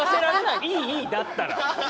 いいいいだったら。